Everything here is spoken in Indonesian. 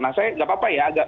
nah saya nggak apa apa ya